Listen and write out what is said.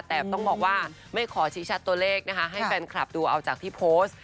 แต่ต้องบอกว่าไม่ขอชี้ชัดตัวเลขนะคะให้แฟนคลับดูเอาจากที่โพสต์